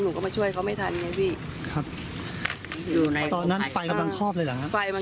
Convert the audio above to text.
หนูก็มาช่วยเขาไม่ทันไงพี่